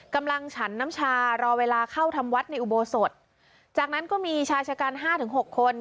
ฉันน้ำชารอเวลาเข้าทำวัดในอุโบสถจากนั้นก็มีชายชะกันห้าถึงหกคน